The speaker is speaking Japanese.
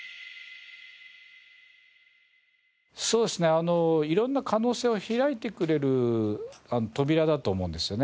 そうですね色んな可能性を開いてくれる扉だと思うんですよね。